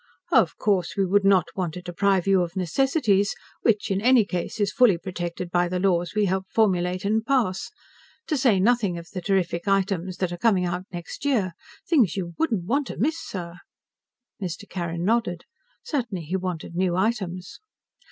"Of course, we would not want to deprive you of necessities, which in any case is fully protected by the laws we helped formulate and pass. To say nothing of the terrific items that are coming out next year. Things you wouldn't want to miss, sir!" Mr. Carrin nodded. Certainly he wanted new items.